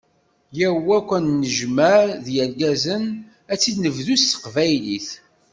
Yyaw akk ad d-nennejmeɛ, d yirgazen ad t-id-nebdu s teqbaylit.